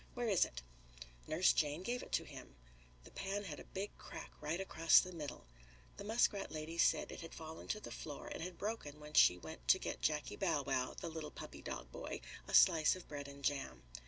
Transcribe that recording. Where is it?" Nurse Jane gave it to him. The pan had a big crack right across the middle. The muskrat lady said it had fallen to the floor and had broken when she went to get Jackie Bow Wow, the little puppy dog boy a slice of bread and jam.